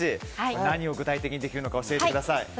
何を具体的にできるのか教えてください。